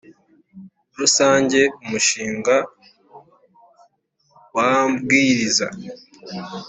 Rusange umushinga w ambwiriza